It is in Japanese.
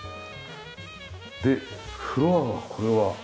でフロアがこれは。